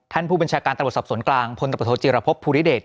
ท่านผู้บัญชาการตำรวจสอบสนกลางพลตะโปรโทษจีรพพภูริเดช